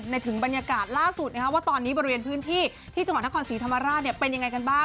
ในถึงบรรยญพื้นที่เดือนขอนศรีธรรมราชเป็นอย่างไรกันบ้าง